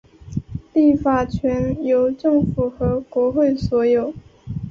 立法权由政府和国会所有。